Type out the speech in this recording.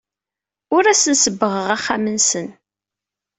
Ur asen-sebbɣeɣ axxam-nsen.